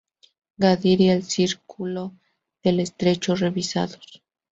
Gadir y el Círculo del Estrecho revisados.